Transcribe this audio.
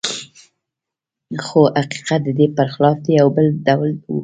خو حقیقت د دې پرخلاف دی او بل ډول و